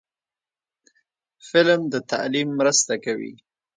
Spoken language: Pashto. فلم د تعلیم مرسته کوي